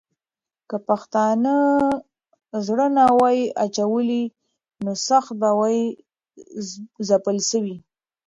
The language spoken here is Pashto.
که پښتانه زړه نه وای اچولی، نو سخت به وای ځپل سوي.